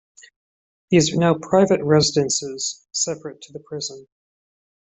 These are now private residences, separate to the prison.